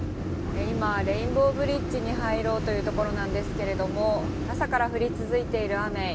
今、レインボーブリッジに入ろうというところなんですけれども、朝から降り続い